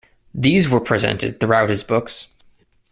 These were presented throughout his books.